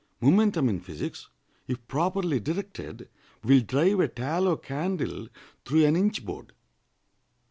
Momentum in physics, if properly directed, will drive a tallow candle through an inch board.